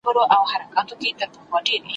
څه خبر وي وږي څرنګه ویدیږي ,